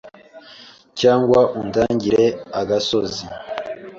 Cyangwa undangire agasozi